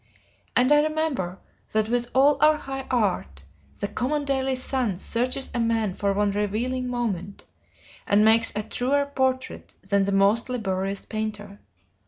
And I remember that with all our high art, the common daily sun searches a man for one revealing moment, and makes a truer portrait than the most laborious painter.